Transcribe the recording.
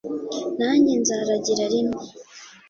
nanjye nzaragira rimwe